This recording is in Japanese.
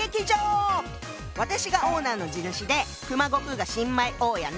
私がオーナーの地主で熊悟空が新米大家ね。